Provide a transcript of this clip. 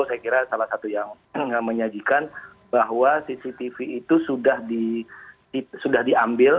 saya kira salah satu yang menyajikan bahwa cctv itu sudah diambil